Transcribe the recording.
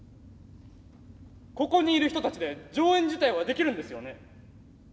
ここにいる人たちで上演自体はできるんですよね？